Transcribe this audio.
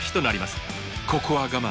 ここは我慢！